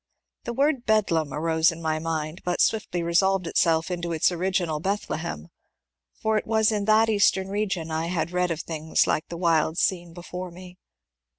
The word ^ bed lam " arose in my mind, but swiftly resolved itself into its original ^^ Bethlehem," for it was in that eastern region I had read of things like the wild scene before me.